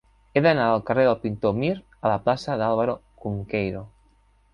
He d'anar del carrer del Pintor Mir a la plaça d'Álvaro Cunqueiro.